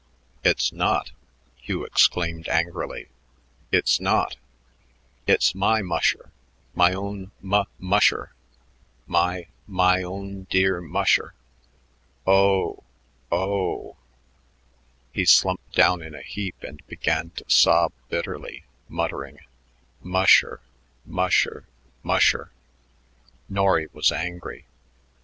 "It's not," Hugh exclaimed angrily; "it's not. It's my musher, my own mu musher my, my own dear musher. Oh, oh!" He slumped down in a heap and began to sob bitterly, muttering, "Musher, musher, musher." Norry was angry.